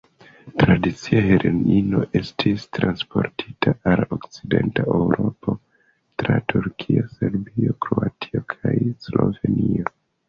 Tradicie, heroino estis transportita al Okcidenta Eŭropo tra Turkio, Serbio, Kroatio kaj Slovenio.